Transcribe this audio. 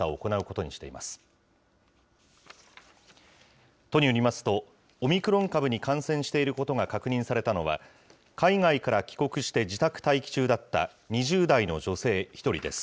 都によりますと、オミクロン株に感染していることが確認されたのは、海外から帰国して自宅待機中だった２０代の女性１人です。